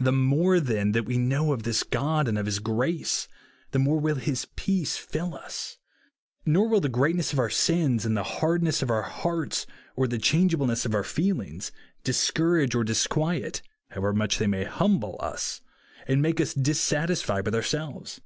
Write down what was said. The more, then, that w^e know of this God and of his grace, the more will his peace fill i;s. Nor will the greatness of our sins, and the hardness of our hearts, or the changeable ness of our feelings, discourage or disquiet, how^ever much they may humble, us, and make us dissatisfied with ourselves..